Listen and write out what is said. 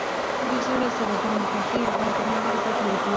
د زړه ضربان د خوښۍ او غم پر مهال بدلېږي.